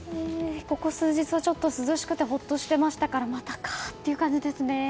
ここ数日はちょっと涼しくてほっとしてましたからまたかという感じですね。